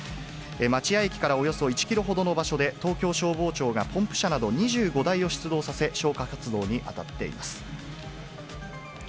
町屋駅からおよそ１キロほどの場所で、東京消防庁がポンプ車など２５台を出動させ、消火活動に当たっています。